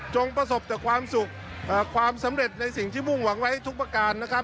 ประสบแต่ความสุขความสำเร็จในสิ่งที่มุ่งหวังไว้ทุกประการนะครับ